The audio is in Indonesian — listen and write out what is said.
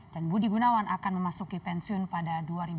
dan budi gunawan akan memasuki pensiun pada dua ribu tujuh belas